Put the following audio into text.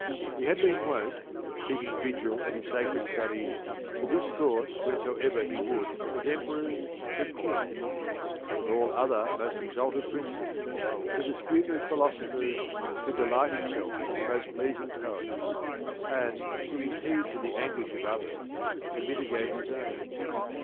He had been wont, keeping vigil at his sacred studies, to discourse whensoever he would with Emperors, with Kings, with all other most exalted Princes, to dispute with Philosophers, to delight himself with most pleasing Poets, and, giving heed to the anguish of others, to mitigate his own.